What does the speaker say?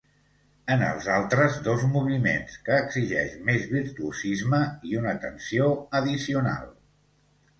En els altres dos moviments, que exigeix més virtuosisme i una tensió addicional.